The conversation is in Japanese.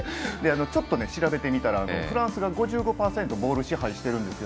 ちょっと調べてみたらフランスが５５％ボール支配してるんですよ。